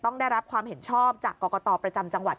ต้องได้รับความเห็นชอบจากกรกตประจำจังหวัด